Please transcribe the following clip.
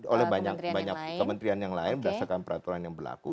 oleh banyak kementerian yang lain berdasarkan peraturan yang berlaku